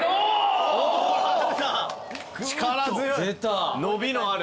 力強い伸びのある。